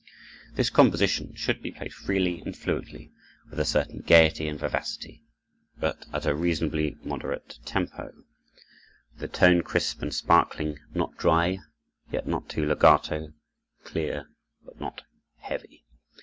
This composition should be played freely and fluently, with a certain gaiety and vivacity, but at a reasonably moderate tempo, with a tone crisp and sparkling, not dry, yet not too legato; clear, but not heavy.